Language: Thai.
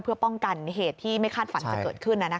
เพื่อป้องกันเหตุที่ไม่คาดฝันจะเกิดขึ้น